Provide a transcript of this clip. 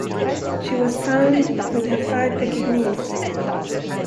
She was found with her five Pekingese.